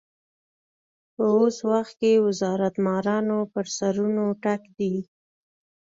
په اوس وخت کې وزارت مارانو پر سرونو تګ دی.